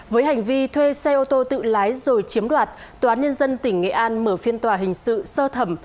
với hành vi thuê xe ô tô tự lái rồi chiếm đoạt tòa án nhân dân tỉnh nghệ an mở phiên tòa hình sự sơ thẩm